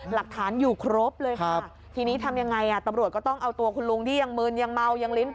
หลักฐานอยู่ครบเลยค่ะ